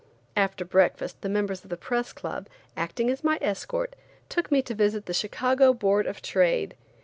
After breakfast the members of the Press Club, acting as my escort, took me to visit the Chicago Board of Trade.